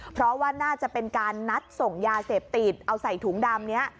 เพราะว่าน่าจะเป็นการนัดส่งยาเสพติดเอาใส่ถุงดำนี้